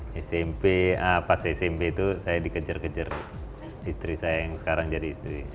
di smp pas smp itu saya dikejar kejar istri saya yang sekarang jadi istri